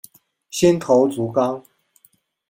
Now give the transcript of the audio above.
新头足纲。